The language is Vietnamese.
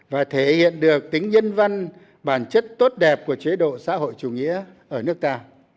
và thể hiện được tính nhân văn bản chất tốt đẹp của chế độ xã hội chủ nghĩa ở nước ta